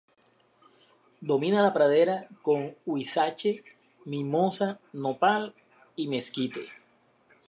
Domina la pradera con huizache, mimosa, nopal y mezquite.